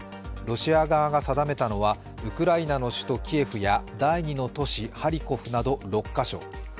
ロシア側が定めたのはウクライナの首都キエフや第２の都市ハリコフなど６カ所。